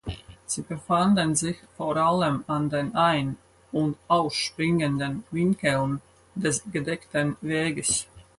Sie befanden sich vor allem an den ein- und ausspringenden Winkeln des gedeckten Weges.